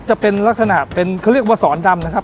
จะเป็นลักษณะเป็นเขาเรียกว่าสอนดำนะครับ